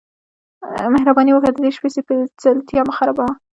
مهرباني وکړه د دې شیبې سپیڅلتیا مه خرابوه